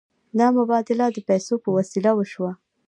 دا مبادله د پیسو په وسیله وشوه.